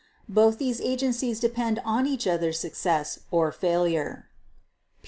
. both these agencies depend on each other's success or failure."